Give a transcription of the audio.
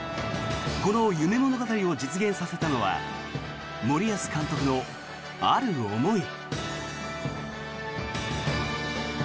この夢物語を実現させたのは森保監督のある思い。